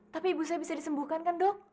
tapi ibu saya bisa disembuhkan kan dok